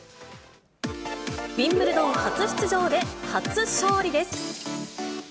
ウィンブルドン初出場で初勝利です。